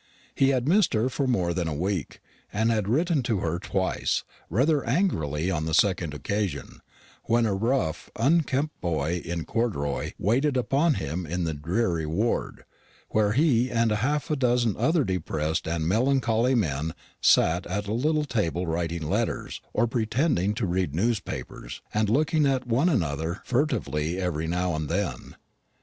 He had missed her for more than a week, and had written to her twice rather angrily on the second occasion when a rough unkempt boy in corduroy waited upon him in the dreary ward, where he and half a dozen other depressed and melancholy men sat at little tables writing letters, or pretending to read newspapers, and looking at one another furtively every now and then.